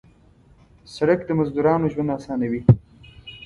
سړک د مزدورانو ژوند اسانوي.